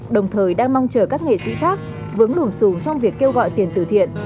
đồng thời đang mong chờ các nghệ sĩ khác vướng lủng xùm trong việc kêu gọi tiền từ thiện